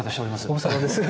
ご無沙汰です。